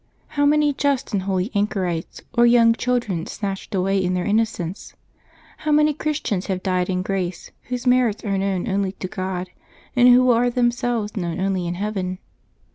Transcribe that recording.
How many just and holy anchorites or young children snatched away in their innocence ! How many Christians who have died in grace, whose merits are known only to God, and who are themselves known only in heaven